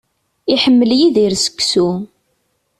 Iḥemmel Yidir seksu.